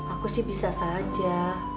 aku sih bisa saja